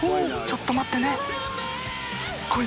ちょっと待ってね。